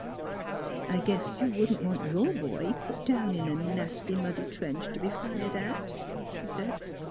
" I guess you wouldn't want your boy put down in a nasty muddy trench to be fired at," she said.